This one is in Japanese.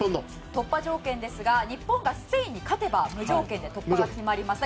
突破条件ですが日本がスペインに勝てば無条件で突破が決まります。